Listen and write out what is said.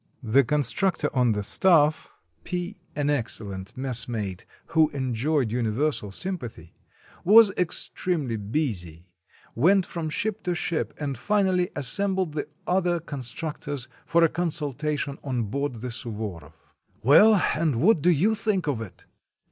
The constructor on the staff, P (an excellent messmate, who enjoyed universal sympathy), was ex tremely busy, went from ship to ship, and finally as sembled the other constructors for a consultation on board the Suvoroff. "Well, and what do you think of it?"